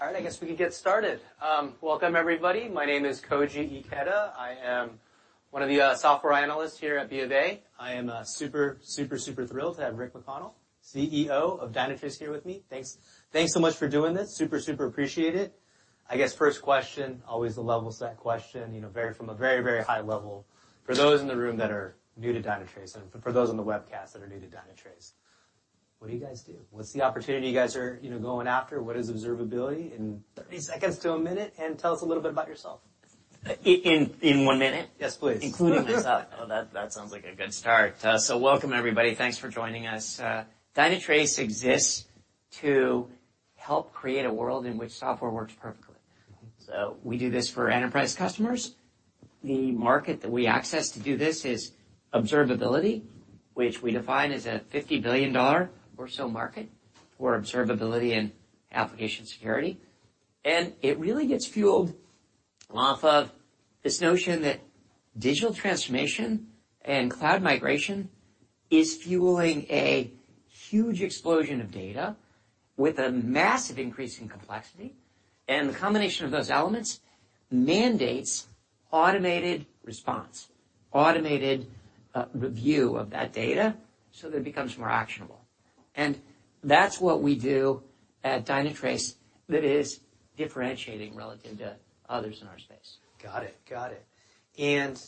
All right, I guess we can get started. Welcome, everybody. My name is Koji Ikeda. I am one of the software analysts here at BofA. I am super, super thrilled to have Rick McConnell, CEO of Dynatrace, here with me. Thanks so much for doing this. Super, super appreciate it. I guess first question, always the level set question, you know, from a very, very high level, for those in the room that are new to Dynatrace and for those on the webcast that are new to Dynatrace, what do you guys do? What's the opportunity you guys are, you know, going after? What is observability in 30 seconds to a minute, and tell us a little bit about yourself. In one minute? Yes, please. Including the setup. Oh, that sounds like a good start. Welcome, everybody. Thanks for joining us. Dynatrace exists to help create a world in which software works perfectly. Mm-hmm. We do this for enterprise customers. The market that we access to do this is observability, which we define as a $50 billion or so market for observability and application security. It really gets fueled off of this notion that digital transformation and cloud migration is fueling a huge explosion of data with a massive increase in complexity. The combination of those elements mandates automated response, automated review of that data so that it becomes more actionable. That's what we do at Dynatrace that is differentiating relative to others in our space. Got it. Got it.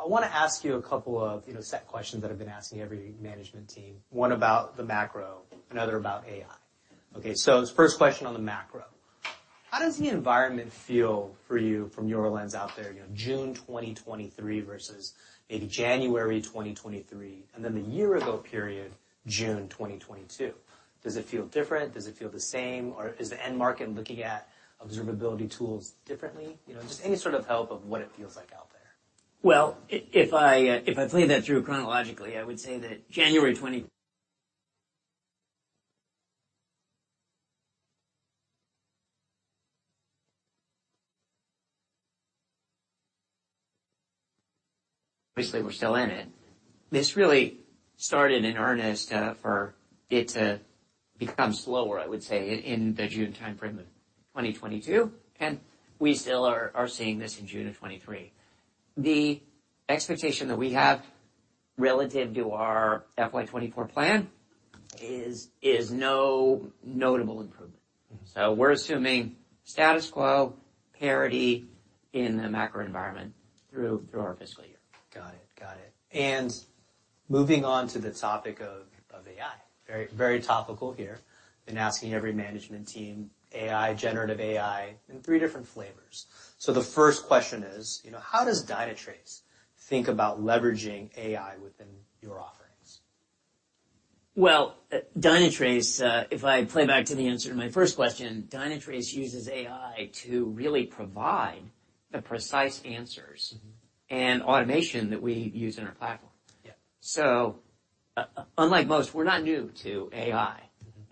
I wanna ask you a couple of, you know, set questions that I've been asking every management team. One about the macro, another about AI. This first question on the macro. How does the environment feel for you from your lens out there, you know, June 2023 versus maybe January 2023, and then the year-ago period, June 2022? Does it feel different? Does it feel the same, or is the end market looking at observability tools differently? You know, just any sort of help of what it feels like out there. Well, if I play that through chronologically, I would say that January 20... Obviously, we're still in it. This really started in earnest, for it to become slower, I would say, in the June timeframe of 2022, and we still are seeing this in June of 2023. The expectation that we have relative to our FY 2024 plan is no notable improvement. Mm. We're assuming status quo, parity in the macro environment through our fiscal year. Got it. Got it. Moving on to the topic of AI, very topical here. Been asking every management team, AI, generative AI, in three different flavors. The first question is: you know, how does Dynatrace think about leveraging AI within your offerings? Well, Dynatrace, if I play back to the answer to my first question, Dynatrace uses AI to really provide the precise answers- Mm-hmm. Automation that we use in our platform. Yeah. Unlike most, we're not new to AI.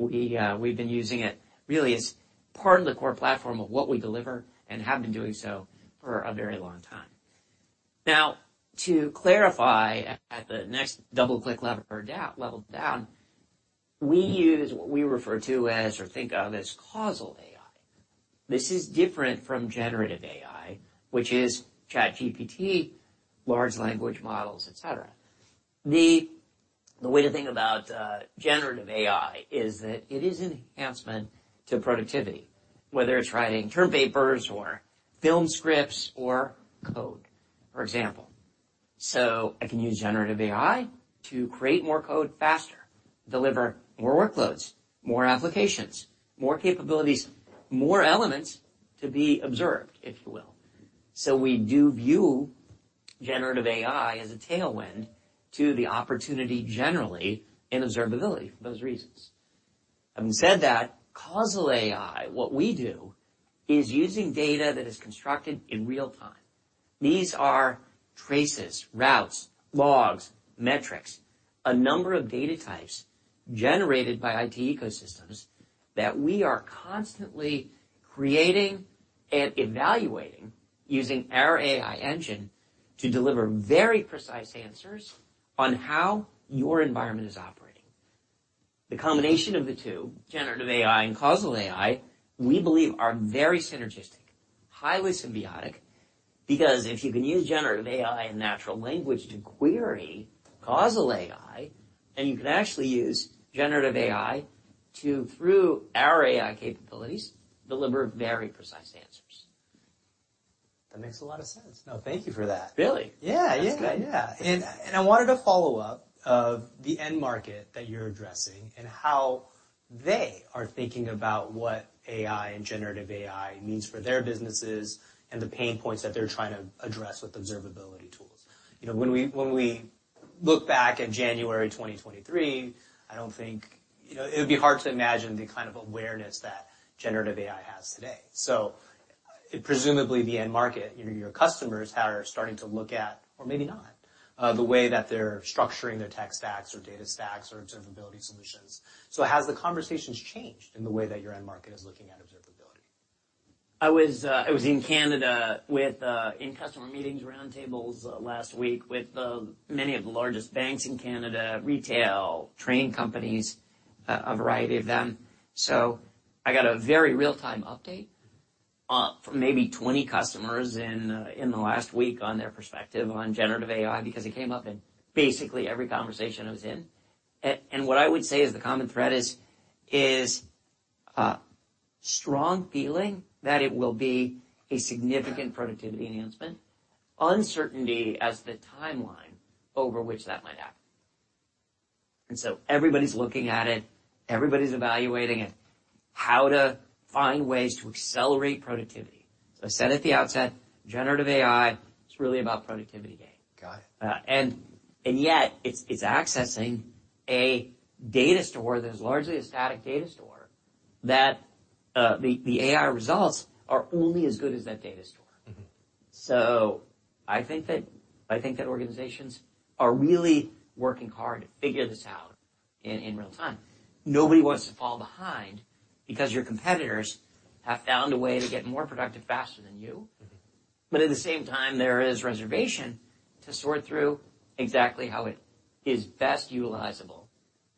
Mm-hmm. We, we've been using it really as part of the core platform of what we deliver and have been doing so for a very long time. To clarify, at the next double-click level down, we use what we refer to as, or think of as, Causal AI. This is different from generative AI, which is ChatGPT, large language models, et cetera. The way to think about generative AI, is that it is an enhancement to productivity, whether it's writing term papers or film scripts or code, for example. I can use generative AI to create more code faster, deliver more workloads, more applications, more capabilities, more elements to be observed, if you will. Mm-hmm. We do view generative AI as a tailwind to the opportunity generally in observability for those reasons. Having said that, Causal AI, what we do, is using data that is constructed in real time. These are traces, routes, logs, metrics, a number of data types generated by IT ecosystems that we are constantly creating and evaluating using our AI engine to deliver very precise answers on how your environment is operating. The combination of the two, generative AI and Causal AI, we believe are very synergistic, highly symbiotic, because if you can use generative AI and natural language to query Causal AI, then you can actually use generative AI to, through our AI capabilities, deliver very precise answers. That makes a lot of sense. No, thank you for that. Really? Yeah, yeah. That's good. Yeah. I wanted to follow up of the end market that you're addressing and how they are thinking about what AI and generative AI means for their businesses, and the pain points that they're trying to address with observability tools. You know, when we look back at January 2023, I don't think. You know, it would be hard to imagine the kind of awareness that generative AI has today. Presumably, the end market, you know, your customers are starting to look at, or maybe not, the way that they're structuring their tech stacks or data stacks or observability solutions. Has the conversations changed in the way that your end market is looking at? I was in Canada with in customer meetings, roundtables, last week with many of the largest banks in Canada, retail, training companies, a variety of them. I got a very real-time update from maybe 20 customers in the last week on their perspective on generative AI, because it came up in basically every conversation I was in. What I would say is the common thread is strong feeling that it will be a significant productivity enhancement, uncertainty as the timeline over which that might happen. Everybody's looking at it, everybody's evaluating it, how to find ways to accelerate productivity. I said at the outset, generative AI, it's really about productivity gain. Got it. Yet it's accessing a data store that is largely a static data store, that, the AI results are only as good as that data store. Mm-hmm. I think that organizations are really working hard to figure this out in real time. Nobody wants to fall behind because your competitors have found a way to get more productive faster than you. Mm-hmm. At the same time, there is reservation to sort through exactly how it is best utilizable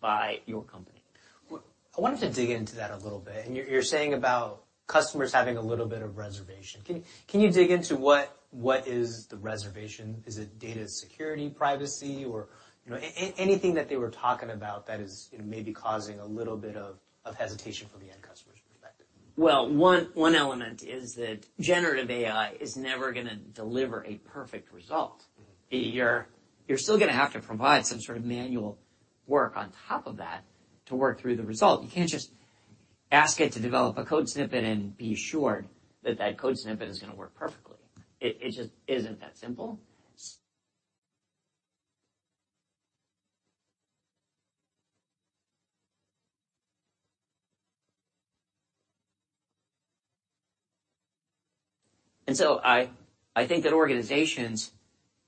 by your company. I wanted to dig into that a little bit. And you're saying about customers having a little bit of reservation. Can you dig into what is the reservation? Is it data security, privacy, or, you know? Anything that they were talking about that is, you know, maybe causing a little bit of hesitation from the end customer's perspective? Well, one element is that generative AI is never gonna deliver a perfect result. Mm-hmm. You're still gonna have to provide some sort of manual work on top of that to work through the result. You can't just ask it to develop a code snippet and be assured that that code snippet is gonna work perfectly. It just isn't that simple. I think that organizations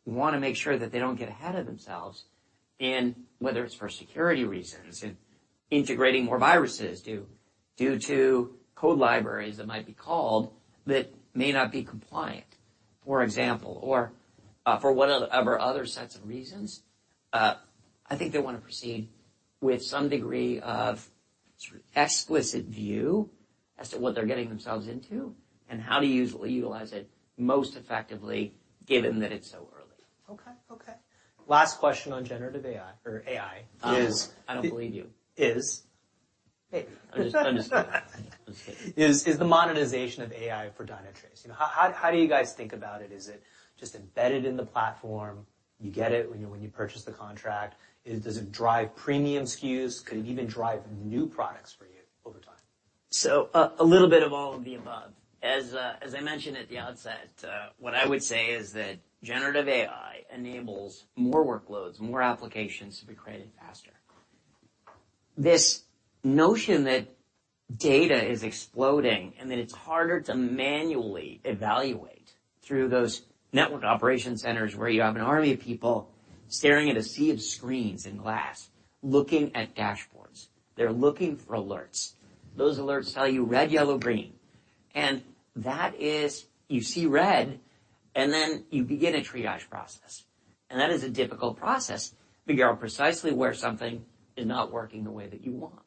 wanna make sure that they don't get ahead of themselves, and whether it's for security reasons, integrating more viruses due to code libraries that might be called, that may not be compliant, for example, or, for one of our other sets of reasons. I think they wanna proceed with some degree of sort of explicit view as to what they're getting themselves into and how to utilize it most effectively, given that it's so early. Okay. Last question on generative AI or AI? I don't believe you. Is? Hey, I'm just... Is the monetization of AI for Dynatrace. You know, how do you guys think about it? Is it just embedded in the platform? You get it when you purchase the contract? Does it drive premium SKUs? Could it even drive new products for you over time? A little bit of all of the above. As I mentioned at the outset, what I would say is that generative AI enables more workloads, more applications to be created faster. This notion that data is exploding and that it's harder to manually evaluate through those network operations centers, where you have an army of people staring at a sea of screens and glass, looking at dashboards. They're looking for alerts. Those alerts tell you red, yellow, green, and that is. You see red, and then you begin a triage process. That is a difficult process to figure out precisely where something is not working the way that you want.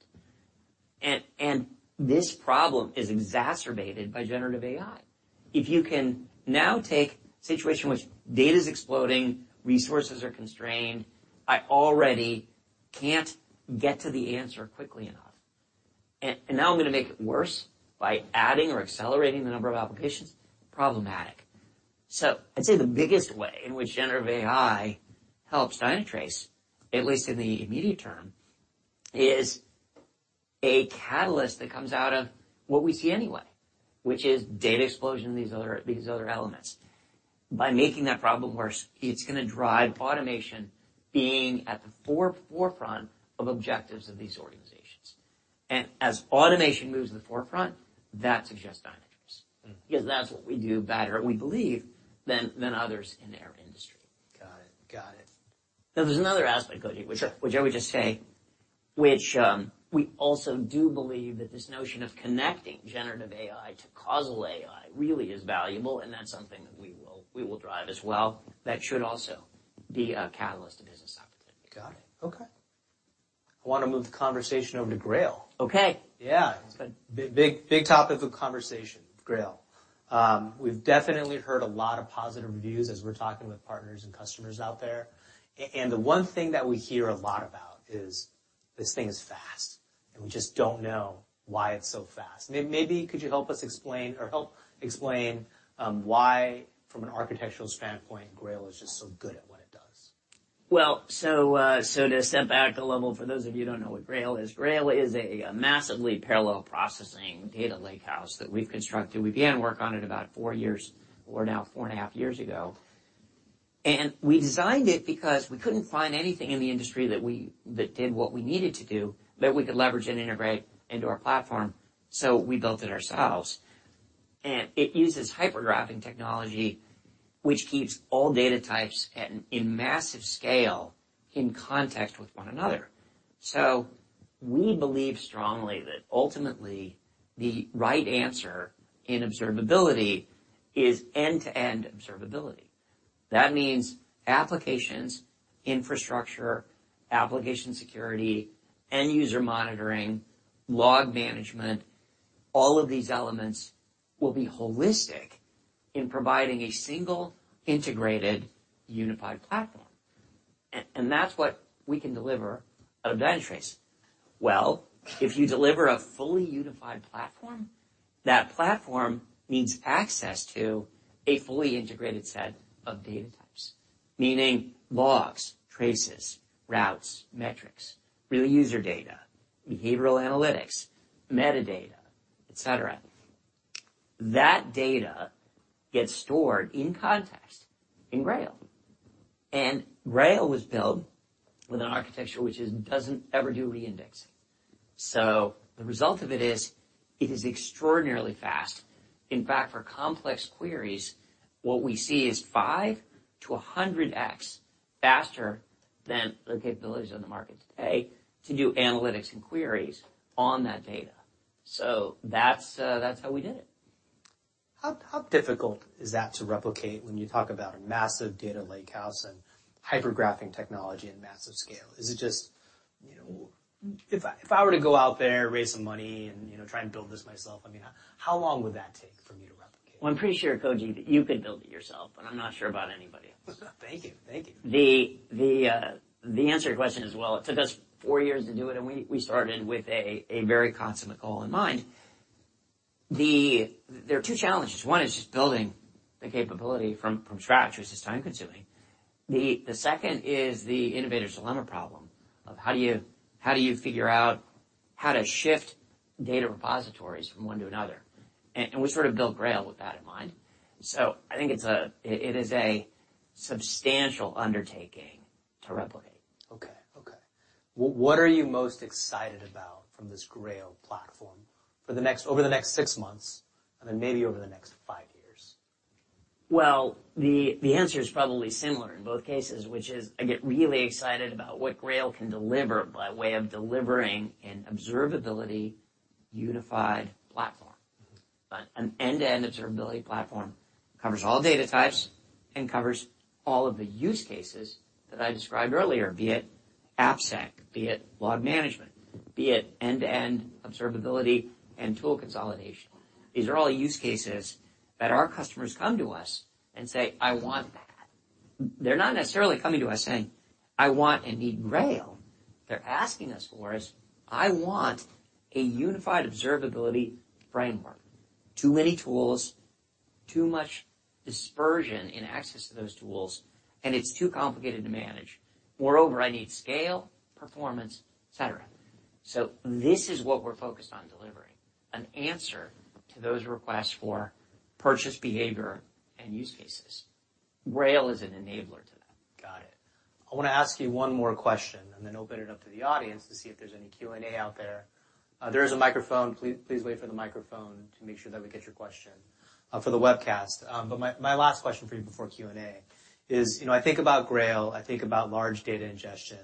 This problem is exacerbated by generative AI. If you can now take a situation in which data's exploding, resources are constrained, I already can't get to the answer quickly enough, and now I'm gonna make it worse by adding or accelerating the number of applications? Problematic. I'd say the biggest way in which generative AI helps Dynatrace, at least in the immediate term, is a catalyst that comes out of what we see anyway, which is data explosion and these other elements. By making that problem worse, it's gonna drive automation being at the forefront of objectives of these organizations. As automation moves to the forefront, that suggests Dynatrace, because that's what we do better, we believe, than others in our industry. Got it. Got it. Now, there's another aspect, Koji, which I would just say, which, we also do believe that this notion of connecting generative AI to Causal AI really is valuable, and that's something that we will drive as well. That should also be a catalyst to business opportunity. Got it. Okay. I wanna move the conversation over to Grail. Okay. Yeah. It's good. Big, big topic of conversation, Grail. We've definitely heard a lot of positive reviews as we're talking with partners and customers out there, and the one thing that we hear a lot about is, this thing is fast, and we just don't know why it's so fast. Maybe could you help us explain or help explain, why, from an architectural standpoint, Grail is just so good at what it does? Well, to step back a level, for those of you who don't know what Grail is, Grail is a massively parallel-processing data lakehouse that we've constructed. We began work on it about four years, or now 4.5 years ago. We designed it because we couldn't find anything in the industry that did what we needed to do, that we could leverage and integrate into our platform. We built it ourselves. It uses hypergraph technology which keeps all data types in massive scale, in context with one another. We believe strongly that ultimately the right answer in observability is end-to-end observability. That means applications, infrastructure, application security, end user monitoring, log management, all of these elements will be holistic in providing a single, integrated, unified platform. That's what we can deliver at Dynatrace. If you deliver a fully unified platform, that platform needs access to a fully integrated set of data types. Meaning logs, traces, routes, metrics, real user data, behavioral analytics, metadata, et cetera. That data gets stored in context in Grail, and Grail was built with an architecture which doesn't ever do re-indexing. The result of it is, it is extraordinarily fast. In fact, for complex queries, what we see is 5x-100x faster than the capabilities on the market today to do analytics and queries on that data. That's, that's how we did it. How difficult is that to replicate when you talk about a massive data lakehouse and hypergraph technology and massive scale? Is it just, you know, if I, if I were to go out there, raise some money and, you know, try and build this myself, I mean, how long would that take for me to replicate? Well, I'm pretty sure, Koji, that you could build it yourself, but I'm not sure about anybody else. Thank you. Thank you. The answer to your question is, well, it took us four years to do it, and we started with a very consummate goal in mind. There are two challenges. One is just building the capability from scratch, which is time-consuming. The second is The Innovator's Dilemma problem of how do you figure out how to shift data repositories from one to another? We sort of built Grail with that in mind. I think it is a substantial undertaking to replicate. Okay. Okay. What are you most excited about from this Grail platform over the next six months, and then maybe over the next five years? Well, the answer is probably similar in both cases, which is I get really excited about what Grail can deliver by way of delivering an observability unified platform. Mm-hmm. An end-to-end observability platform, covers all data types and covers all of the use cases that I described earlier, be it AppSec, be it log management, be it end-to-end observability and tool consolidation. These are all use cases that our customers come to us and say, "I want that." They're not necessarily coming to us saying, "I want and need Grail." They're asking us for is, "I want a unified observability framework. Too many tools, too much dispersion in access to those tools, and it's too complicated to manage. Moreover, I need scale, performance, et cetera." This is what we're focused on delivering, an answer to those requests for purchase behavior and use cases. Grail is an enabler to that. Got it. I wanna ask you one more question and then open it up to the audience to see if there's any Q&A out there. There is a microphone. Please wait for the microphone to make sure that we get your question for the webcast. My last question for you before Q&A is, you know, I think about Grail, I think about large data ingestion.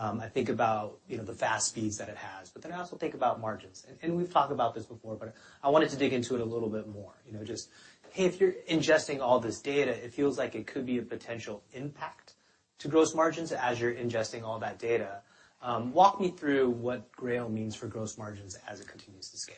I think about, you know, the fast speeds that it has, I also think about margins. We've talked about this before, I wanted to dig into it a little bit more. You know, just, hey, if you're ingesting all this data, it feels like it could be a potential impact to gross margins as you're ingesting all that data. Walk me through what Grail means for gross margins as it continues to scale.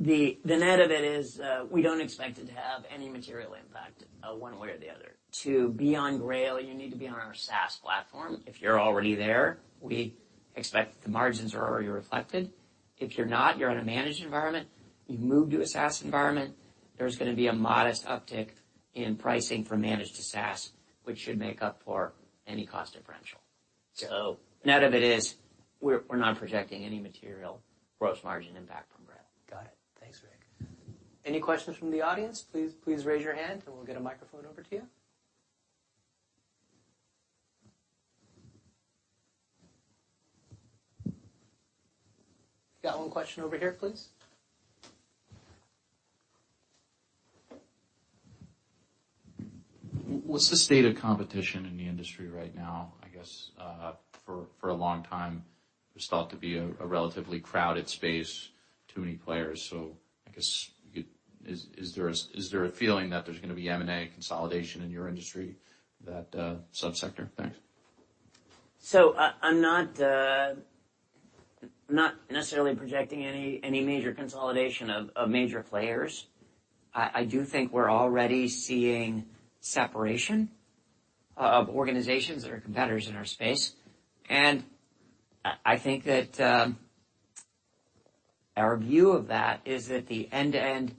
The net of it is, we don't expect it to have any material impact, one way or the other. To be on Grail, you need to be on our SaaS platform. If you're already there, we expect the margins are already reflected. If you're not, you're on a managed environment, you move to a SaaS environment, there's gonna be a modest uptick in pricing from managed to SaaS, which should make up for any cost differential. Net of it is, we're not projecting any material gross margin impact from Grail. Got it. Thanks, Rick. Any questions from the audience? Please raise your hand, and we'll get a microphone over to you. Got one question over here, please. What's the state of competition in the industry right now? I guess, for a long time, it was thought to be a relatively crowded space, too many players. I guess, is there a feeling that there's gonna be M&A consolidation in your industry, that subsector? Thanks. I'm not necessarily projecting any major consolidation of major players. I do think we're already seeing separation of organizations that are competitors in our space. I think that our view of that is that the end-to-end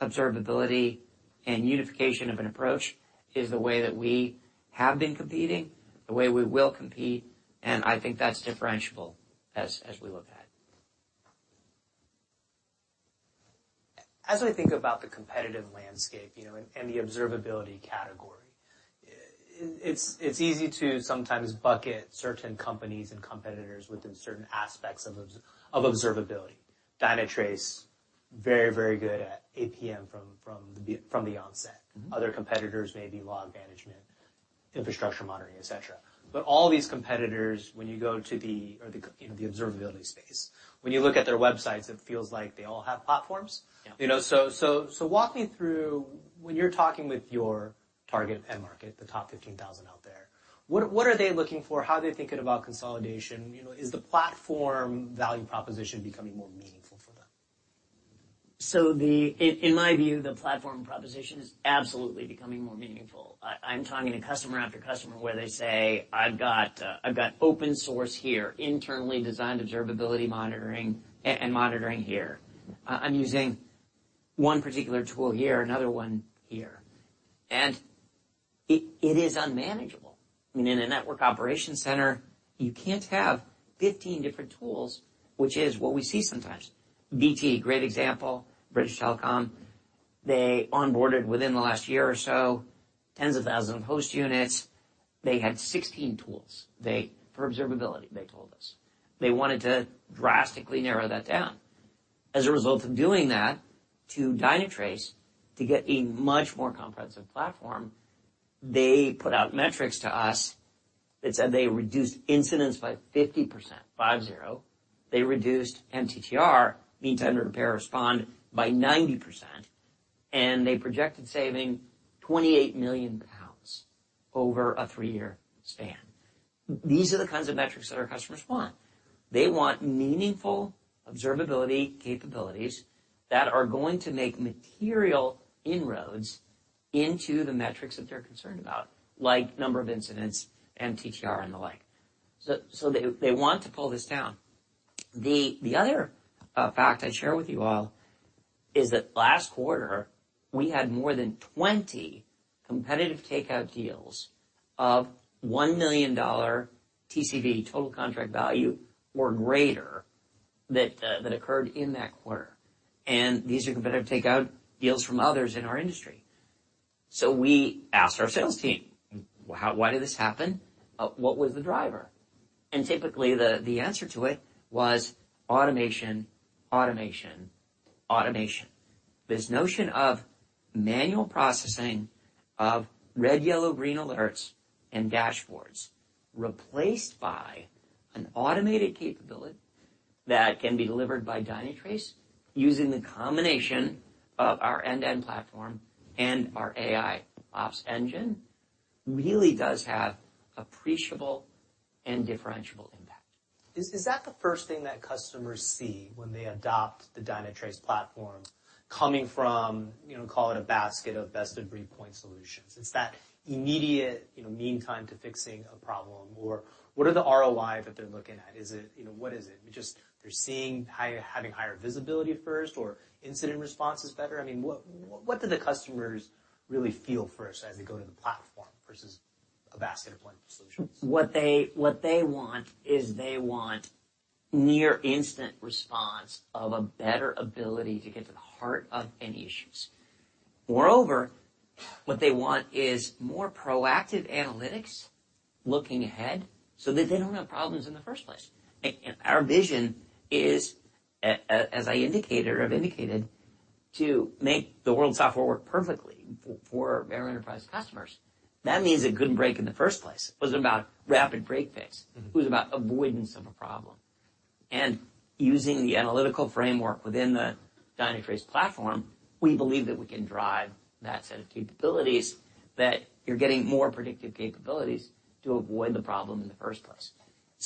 observability and unification of an approach is the way that we have been competing, the way we will compete, and I think that's differentiable as we look at it. As I think about the competitive landscape, you know, the observability category. It's easy to sometimes bucket certain companies and competitors within certain aspects of observability. Dynatrace, very good at APM from the onset. Other competitors may be log management, infrastructure monitoring, et cetera. All these competitors, when you go to the observability space, when you look at their websites, it feels like they all have platforms. Yeah. You know, walk me through when you're talking with your target end market, the top 15,000 out there. What are they looking for? How are they thinking about consolidation? You know, is the platform value proposition becoming more meaningful for them? In my view, the platform proposition is absolutely becoming more meaningful. I'm talking to customer after customer where they say, "I've got open source here, internally designed observability monitoring and monitoring here. I'm using one particular tool here, another one here," and it is unmanageable. I mean, in a network operations center, you can't have 15 different tools, which is what we see sometimes. BT, great example, British Telecom. They onboarded within the last year or so, tens of thousands of host units. They had 16 tools. For observability, they told us. They wanted to drastically narrow that down. As a result of doing that to Dynatrace, to get a much more comprehensive platform, they put out metrics to us that said they reduced incidents by 50%, five, zero. They reduced MTTR, mean time to repair, respond by 90%, they projected saving 28 million pounds over a three-year span. These are the kinds of metrics that our customers want. They want meaningful observability capabilities that are going to make material inroads into the metrics that they're concerned about, like number of incidents, MTTR, and the like. They want to pull this down. The other fact I'd share with you all is that last quarter, we had more than 20 competitive takeout deals of $1 million TCV, total contract value, or greater, that occurred in that quarter. These are competitive takeout deals from others in our industry. We asked our sales team: Why did this happen? What was the driver? Typically, the answer to it was automation, automation, automation. This notion of manual processing of red, yellow, green alerts and dashboards, replaced by an automated capability that can be delivered by Dynatrace, using the combination of our end-to-end platform and our AIOps engine, really does have appreciable and differentiable impact. Is that the first thing that customers see when they adopt the Dynatrace platform, coming from, you know, call it a basket of best-of-breed point solutions? It's that immediate, you know, meantime to fixing a problem? Or what are the ROI that they're looking at? You know, what is it? Just they're seeing having higher visibility first or incident response is better? I mean, what do the customers really feel first as they go to the platform versus a basket of point solutions? What they want is they want near instant response of a better ability to get to the heart of any issues. Moreover, what they want is more proactive analytics looking ahead, so that they don't have problems in the first place. Our vision is, as I indicated or have indicated, to make the world's software work perfectly for our enterprise customers. That means it couldn't break in the first place. It wasn't about rapid break pace. Mm-hmm. It was about avoidance of a problem. Using the analytical framework within the Dynatrace platform, we believe that we can drive that set of capabilities, that you're getting more predictive capabilities to avoid the problem in the first place.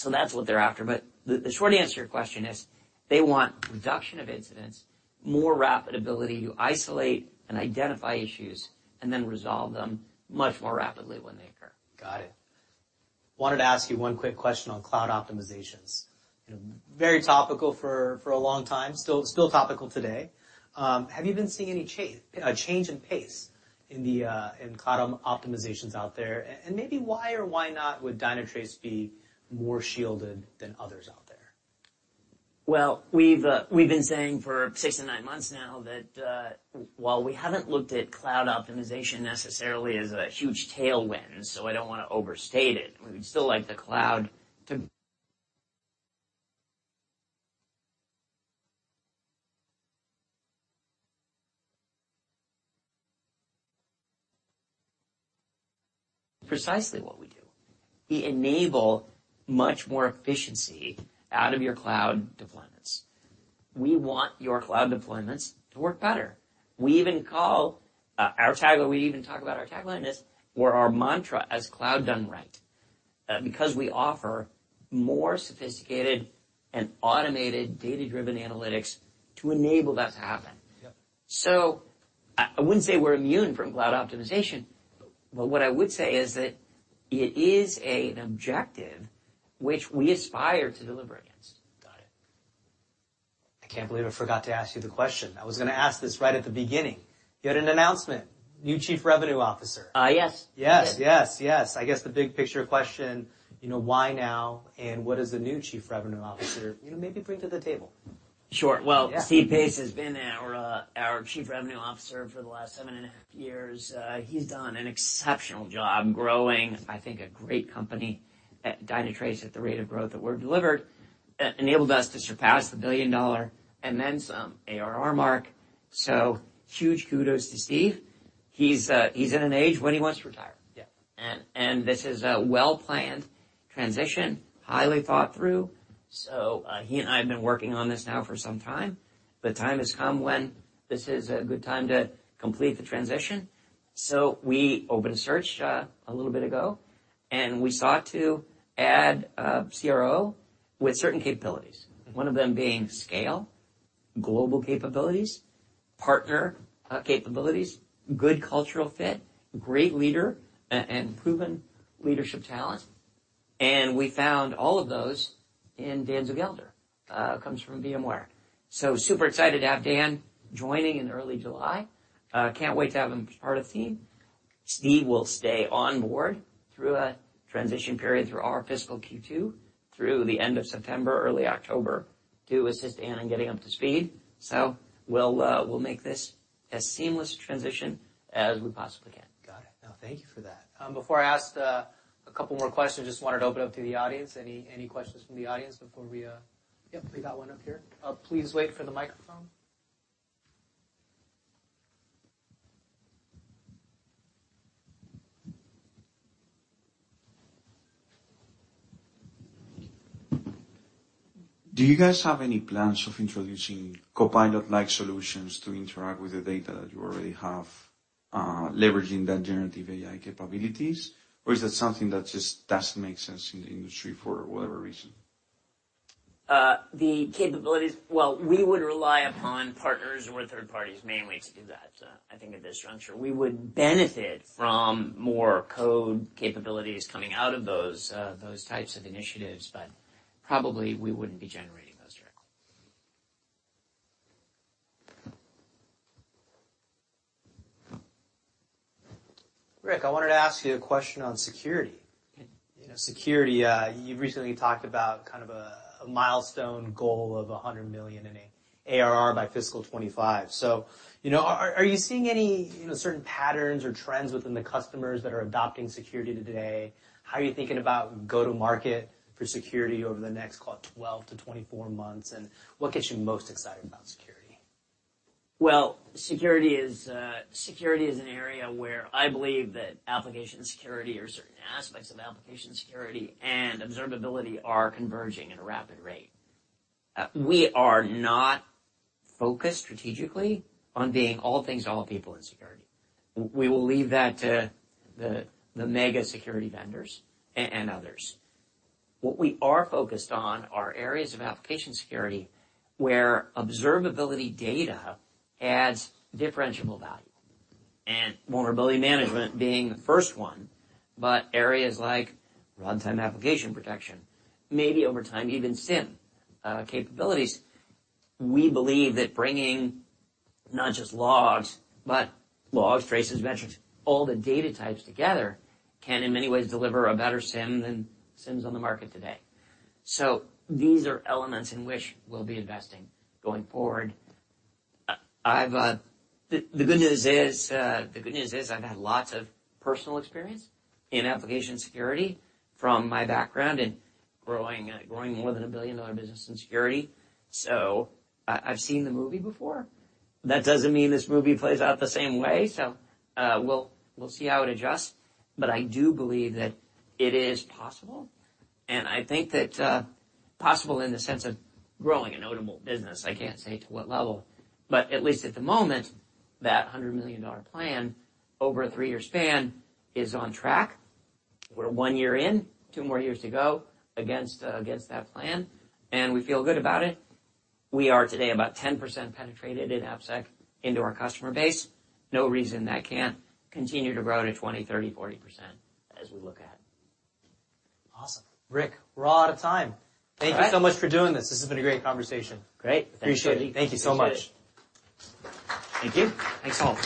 That's what they're after. The short answer to your question is, they want reduction of incidents, more rapid ability to isolate and identify issues, and then resolve them much more rapidly when they occur. Got it. Wanted to ask you one quick question on cloud optimizations. You know, very topical for a long time, still topical today. Have you been seeing any change in pace in the cloud optimizations out there? Maybe why or why not would Dynatrace be more shielded than others out there? Well, we've been saying for six to nine months now that, while we haven't looked at cloud optimization necessarily as a huge tailwind, I don't wanna overstate it, we still like the cloud. Precisely what we do. We enable much more efficiency out of your cloud deployments. We want your cloud deployments to work better. We even call our tagline, we even talk about our tagline as, or our mantra as Cloud done right. We offer more sophisticated and automated data-driven analytics to enable that to happen. Yep. I wouldn't say we're immune from cloud optimization, but what I would say is that it is an objective which we aspire to deliver against. Got it. I can't believe I forgot to ask you the question. I was gonna ask this right at the beginning. You had an announcement, new Chief Revenue Officer. Yes. Yes, yes. I guess the big picture question, you know, why now? What does the new Chief Revenue Officer, you know, maybe bring to the table? Sure. Well, Steve Pace has been our Chief Revenue Officer for the last 7.5 years. He's done an exceptional job growing, I think, a great company at Dynatrace at the rate of growth that we're delivered, enabled us to surpass the $1 billion, and then some, ARR mark. Huge kudos to Steve. He's at an age when he wants to retire. Yeah. This is a well-planned transition, highly thought through. He and I have been working on this now for some time. The time has come when this is a good time to complete the transition. We opened a search a little bit ago, and we sought to add a CRO with certain capabilities. One of them being scale, global capabilities, partner capabilities, good cultural fit, great leader and proven leadership talent. We found all of those in Dan Zugelder, comes from VMware. Super excited to have Dan joining in early July. Can't wait to have him part of the team. Steve will stay on board through a transition period, through our fiscal Q2, through the end of September, early October, to assist Dan in getting up to speed. We'll make this as seamless a transition as we possibly can. Got it. Now, thank you for that. Before I ask a couple more questions, just wanted to open up to the audience. Any questions from the audience before we... Yeah, we got one up here. Please wait for the microphone. Do you guys have any plans of introducing Copilot-like solutions to interact with the data that you already have, leveraging that generative AI capabilities? Is that something that just doesn't make sense in the industry for whatever reason? The capabilities. Well, we would rely upon partners or third parties mainly to do that, I think at this juncture. We would benefit from more code capabilities coming out of those types of initiatives, but probably we wouldn't be generating those directly. Rick, I wanted to ask you a question on security. You know, security, you've recently talked about kind of a milestone goal of $100 million in a ARR by fiscal 2025. You know, are you seeing any, you know, certain patterns or trends within the customers that are adopting security today? How are you thinking about go-to-market for security over the next 12 to 24-months, and what gets you most excited about security? Well, security is, security is an area where I believe that application security, or certain aspects of application security, and observability are converging at a rapid rate. We are not focused strategically on being all things to all people in security. We will leave that to the mega security vendors and others. What we are focused on are areas of application security, where observability data adds differentiable value, and vulnerability management being the first one, but areas like runtime application protection, maybe over time, even SIEM capabilities. We believe that bringing not just logs, but logs, traces, metrics, all the data types together, can, in many ways, deliver a better SIEM than SIEMs on the market today. These are elements in which we'll be investing going forward. I've. The good news is I've had lots of personal experience in Application Security from my background in growing more than a $1 billion business in security. I've seen the movie before. That doesn't mean this movie plays out the same way. We'll, we'll see how it adjusts, but I do believe that it is possible, and I think that possible in the sense of growing a notable business, I can't say to what level. At least at the moment, that $100 million plan over a three-year span is on track. We're one year in, two more years to go against that plan, and we feel good about it. We are today about 10% penetrated in AppSec into our customer base. No reason that can't continue to grow to 20%, 30%, 40% as we look at it. Awesome. Rick, we're all out of time. All right. Thank you so much for doing this. This has been a great conversation. Great. Appreciate it. Thank you so much. Thank you. Thanks all.